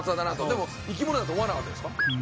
でも生き物だと思わなかったですか？